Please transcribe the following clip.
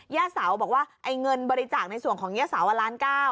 แย่สาวบอกว่าเงินบริจาคในส่วนของแย่สาวล้านเก้า